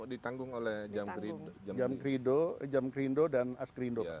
ya itu ditanggung oleh jam krindo dan askrindo